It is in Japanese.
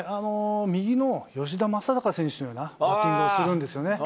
右の吉田正尚選手のようなバッティングをするんですよね。